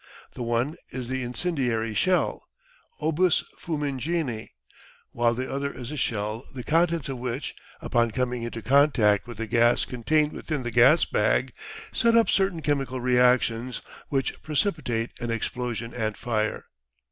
The one is the incendiary shell obus fumigene while the other is a shell, the contents of which, upon coming into contact with the gas contained within the gas bag, set up certain chemical reactions which precipitate an explosion and fire.